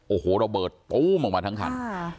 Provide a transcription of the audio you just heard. โอ้โหระเบิดตู้มออกมาทั้งคัน